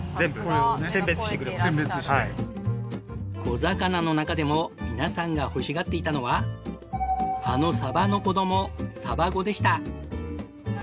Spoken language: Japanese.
小魚の中でも皆さんが欲しがっていたのはあのサバの子どもサバゴでした。